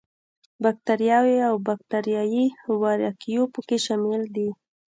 باکټریاوې او باکټریايي وارکیو په کې شامل دي.